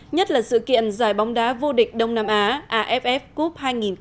nhất là sự kiện giải bóng đá vô địch đông nam á aff cup hai nghìn một mươi sáu